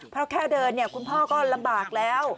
เพราะแค่เดินเนี่ยคุณพ่อก็ลำบากแล้ว